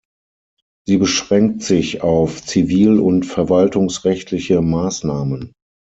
Sie beschränkt sich auf zivil- und verwaltungsrechtliche Maßnahmen.